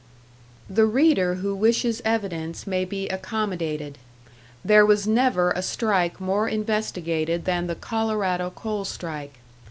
The reader who wishes evidence may be accommodated. There was never a strike more investigated than the Colorado coal strike.